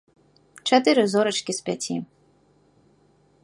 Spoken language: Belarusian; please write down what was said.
Чатыры зорачкі з пяці.